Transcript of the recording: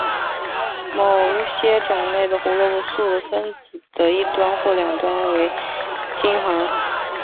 某些种类的胡萝卜素的分子的一端或两端为烃环。